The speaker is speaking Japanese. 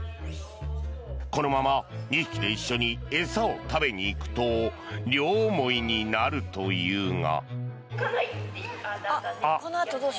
このまま２匹で一緒に餌を食べに行くと両思いになるというが。